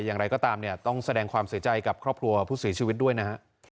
อย่างไรก็ตามเนี่ยต้องแสดงความเสียใจกับครอบครัวผู้เสียชีวิตด้วยนะฮะ